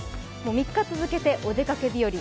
３日続けてお出かけ日より。